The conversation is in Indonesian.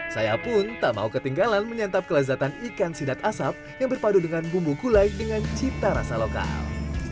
saya pun tak mau ketinggalan menyantap kelezatan ikan sidat asap yang berpadu dengan bumbu gulai dengan cita rasa lokal